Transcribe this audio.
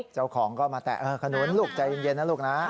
เจ้าของก็มาแตะขนุนลูกใจเย็นนะลูกนะ